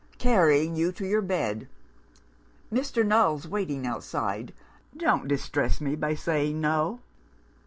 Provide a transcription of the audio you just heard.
carrying you to your bed. Mr. Null's waiting outside. Don't distress me by saying No!